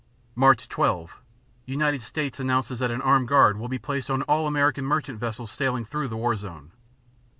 _Mar. 12 United States announces that an armed guard will be placed on all American merchant vessels sailing through the war zone.